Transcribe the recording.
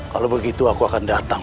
kalau begitu aku akan datang